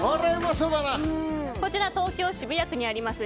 こちら東京・渋谷区にあります